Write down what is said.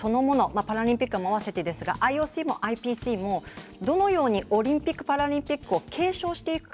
当然、オリンピックそのものパラリンピックも合わせてですがＩＯＣもＩＰＣもどのようにオリンピック・パラリンピックを継承していくか。